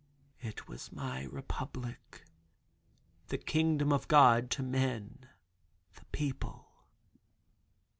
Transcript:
"It was my republic. The kingdom of God to men—the people.